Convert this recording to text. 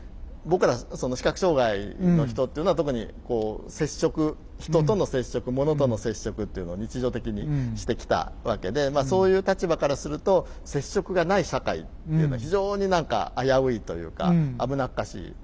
僕ら視覚障害の人っていうのは特にこう接触人との接触ものとの接触っていうのを日常的にしてきたわけでそういう立場からすると接触がない社会っていうのは非常に何か危ういというか危なっかしい。